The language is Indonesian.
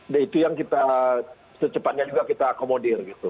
dan itu yang kita secepatnya juga kita akomodir gitu